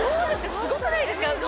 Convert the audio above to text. すごくないですか？